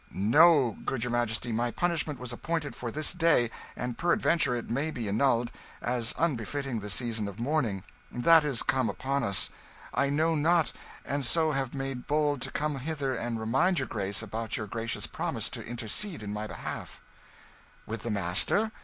"No, good your Majesty, my punishment was appointed for this day, and peradventure it may be annulled, as unbefitting the season of mourning that is come upon us; I know not, and so have made bold to come hither and remind your Grace about your gracious promise to intercede in my behalf " "With the master?